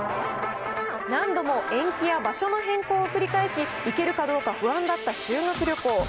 何度も延期や場所の変更を繰り返し、行けるかどうか不安だった修学旅行。